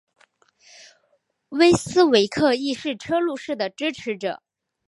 威斯维克亦是车路士的支持者。